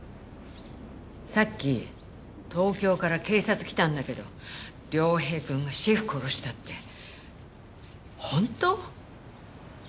さっき東京から警察来たんだけど涼平くんがシェフ殺したって本当？